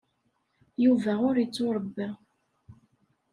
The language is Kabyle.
Yuba ur yettuṛebba.